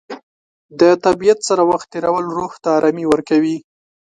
د طبیعت سره وخت تېرول روح ته ارامي ورکوي.